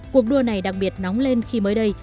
cuộc đua này đặc biệt nóng lên khi mới đây